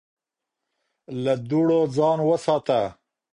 له دوړو ځان وساته